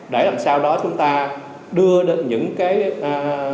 để làm sao đó chúng ta đưa đến những nguy hiểm